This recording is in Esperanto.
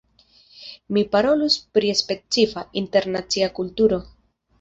Mi parolus pri specifa, internacia kulturo.